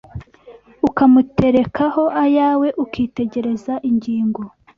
Ukamuterekaho ayawe Ukitegereza ingingo